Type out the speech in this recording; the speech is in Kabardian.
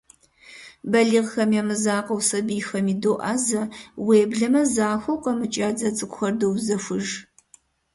Балигъхэм я мызакъуэу, сабийхэми доӀэзэ, уеблэмэ захуэу къэмыкӀ я дзэ цӀыкӀухэр доузэхуж.